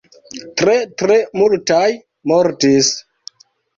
Tre tre multaj mortis.